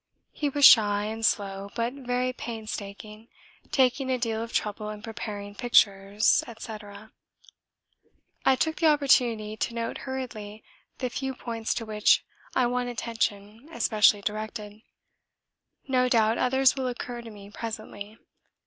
He was shy and slow, but very painstaking, taking a deal of trouble in preparing pictures, &c. I took the opportunity to note hurriedly the few points to which I want attention especially directed. No doubt others will occur to me presently.